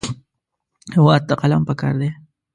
هېواد ته قلم پکار دی